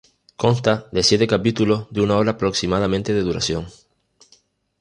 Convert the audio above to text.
Consta de siete capítulos de una hora aproximada de duración.